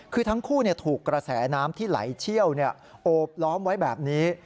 คือทั้งคู่ถูกกระแสน้ำที่ไหลเชี่ยวโอบล้อมไว้แบบนี้